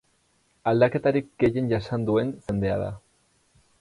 Aldaketarik gehien jasan duen zendea da.